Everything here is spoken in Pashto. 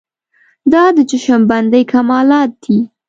دا د چشم بندۍ کمالات دي.